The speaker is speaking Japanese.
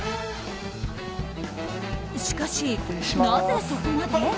しかし、なぜそこまで？